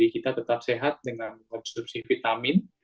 kita tetap sehat dengan konstruksi vitamin